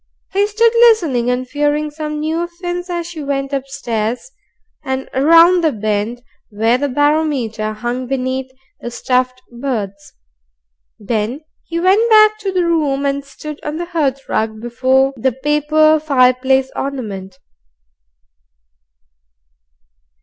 He stood listening and fearing some new offence as she went upstairs, and round the bend where the barometer hung beneath the stuffed birds. Then he went back to the room, and stood on the hearthrug before the paper fireplace ornament.